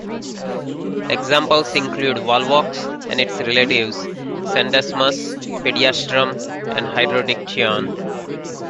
Examples include "Volvox" and its relatives, "Scenedesmus", "Pediastrum", and "Hydrodictyon".